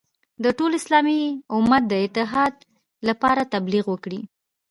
د ټول اسلامي امت د اتحاد لپاره تبلیغ وکړي.